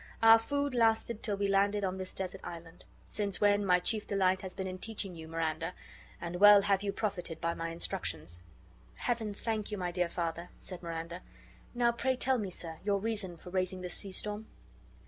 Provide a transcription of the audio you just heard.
Our food lasted till we landed on this desert island, since when my chief delight has been in teaching you, Miranda, and well have you profited by my instructions." "Heaven thank you, my dear father," said Miranda. "Now pray tell me, sir, your reason for raising this sea storm?"